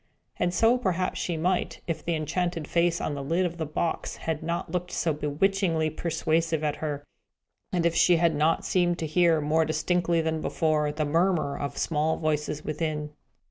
And so perhaps she might, if the enchanted face on the lid of the box had not looked so bewitchingly persuasive at her, and if she had not seemed to hear, more distinctly, than before, the murmur of small voices within.